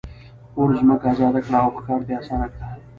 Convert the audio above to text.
اور ځمکه آزاده کړه او ښکار ته یې آسانه کړه.